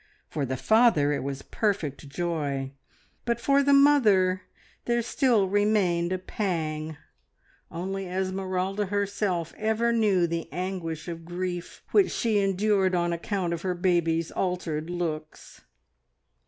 For the father it was perfect joy, but for the mother there still remained a pang. Only Esmeralda herself ever knew the anguish of grief which she endured on account of her baby's altered looks.